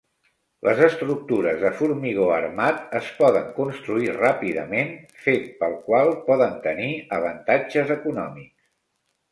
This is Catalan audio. Les estructures de formigó armat es poden construir ràpidament, fet pel qual poden tenir avantatges econòmics.